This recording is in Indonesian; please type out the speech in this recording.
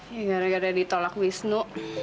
ya gara gara ditolak wisnu